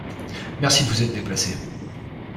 Merci de vous être déplacée.